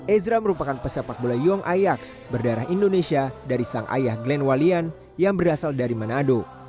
ezra merupakan pesepak bola yong ayaks berdarah indonesia dari sang ayah glenn walian yang berasal dari manado